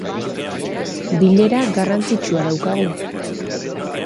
Bilera garrantzitsua daukagu